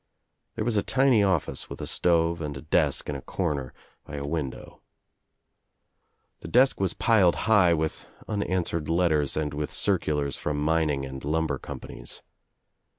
There was a tiny office with a stove and a desk in a comer OUT OF NOWHERE INTO NOTHING igj by a window. The desk was piled high with unan swered letters and with circulars from mining and lumber companies.